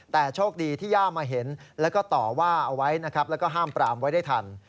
แต่โชคดีที่ย่ามาเห็นแล้วก็ต่อว่าเอาไว้นะครับแล้วก็ห้ามปรามไว้ได้ทัน